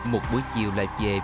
một buổi chiều lại về